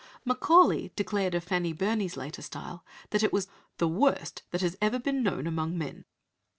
Macaulay declared of Fanny Burney's later style that it was "the worst that has ever been known among men."